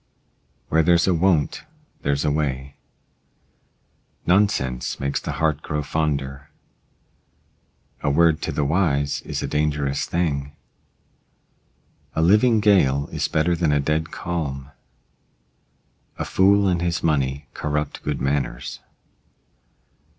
Where there's a won't there's a way. Nonsense makes the heart grow fonder. A word to the wise is a dangerous thing. A living gale is better than a dead calm. A fool and his money corrupt good manners.